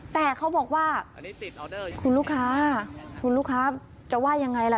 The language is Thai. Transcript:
แต่เขาบอกว่าคุณลูกค้าคุณลูกค้าจะว่ายังไงล่ะ